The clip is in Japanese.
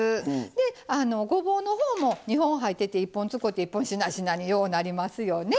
でごぼうの方も２本入ってて１本使うて１本しなしなにようなりますよね？